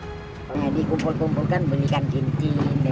dikumpul kumpulkan belikan ginti nanti kumpulkan lagi